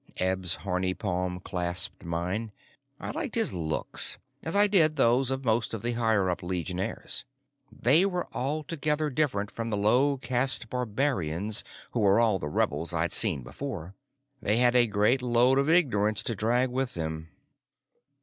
Eb's horny palm clasped mine. I liked his looks, as I did those of most of the higher up Legionnaires. They were altogether different from the low caste barbarians who were all the rebels I'd seen before. They had a great load of ignorance to drag with them.